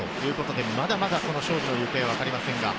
まだまだ勝負の行方はわかりません。